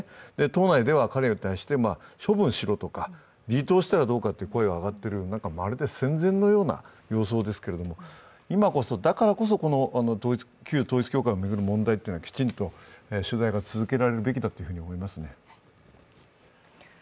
党内では彼に対して、処分しろとか離党したらどうかという声が上がっているというまるで戦前のような様相ですけれども今こそ、だからこそ、この旧統一教会を巡る問題はきちんと取材が続けられるべきだと思いますね。